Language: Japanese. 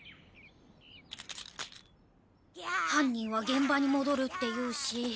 犯人は現場に戻るっていうし。